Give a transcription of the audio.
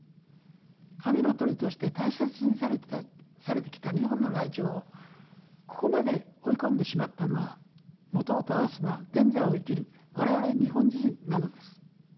神の鳥として大切にされてきた日本のライチョウをここまで追い込んでしまったのはもとをただせば現在を生きる我々日本人なのです。